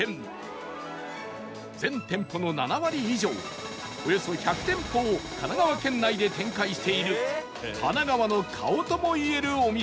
全店舗の７割以上およそ１００店舗を神奈川県内で展開している神奈川の顔ともいえるお店